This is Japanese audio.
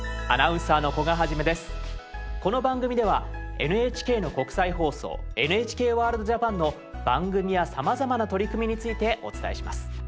この番組ではＮＨＫの国際放送「ＮＨＫＷＯＲＬＤ−ＪＡＰＡＮ」の番組やさまざまな取り組みについてお伝えします。